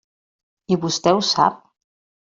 I vostè ho sap.